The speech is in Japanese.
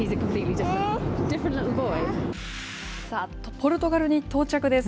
ポルトガルに到着です。